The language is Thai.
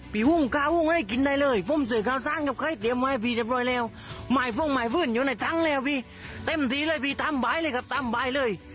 พี่เต้มทีเลยพี่ทำไมบายเลยเขาทำไมบายเลย